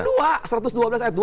kedua satu ratus dua belas ayat dua